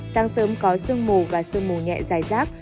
sáng sớm có sương mù và sương mù nhẹ dài rác